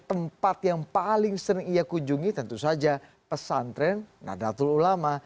tempat yang paling sering ia kunjungi tentu saja pesantren nadatul ulama